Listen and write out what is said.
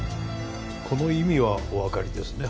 この意味はおわかりですね？